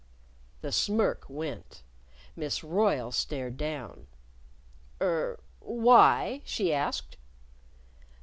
The smirk went. Miss Royle stared down. "Er why?" she asked.